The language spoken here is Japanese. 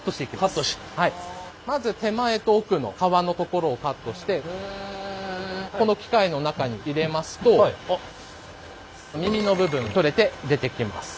まず手前と奥の皮のところをカットしてこの機械の中に入れますと耳の部分取れて出てきます。